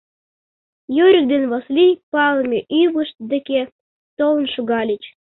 Юрик ден Васлий палыме ӱвышт деке толын шогальыч.